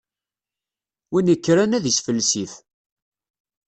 Win ikkren ad isfelsif.